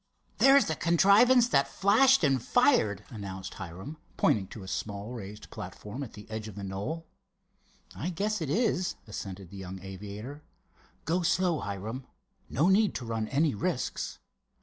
"There's the contrivance that flashed and fired," announced Hiram, pointing to a small raised platform at the edge of the knoll. "I guess it is," assented the young aviator; "go slow, Hiram. No need to run any risks."